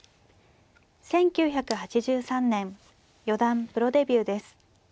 １９８３年四段プロデビューです。